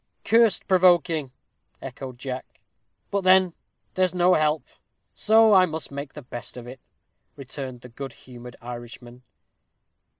"Cursed provoking!" echoed Jack. "But then there's no help, so I must make the best of it," returned the good humored Irishman.